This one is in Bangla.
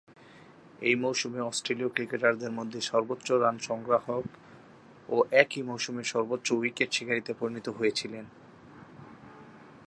ঐ মৌসুমে অস্ট্রেলীয় ক্রিকেটারদের মধ্যে সর্বোচ্চ রান সংগ্রাহক ও একই মৌসুমে সর্বোচ্চ উইকেট শিকারীতে পরিণত হয়েছিলেন।